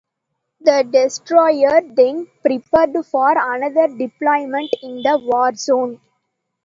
The destroyer then prepared for another deployment in the war zone.